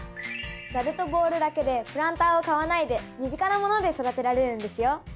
ザルとボウルだけでプランターを買わないで身近なもので育てられるんですよ。